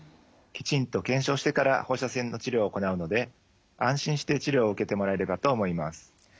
きちんと検証してから放射線の治療を行うので安心して治療を受けてもらえればと思います。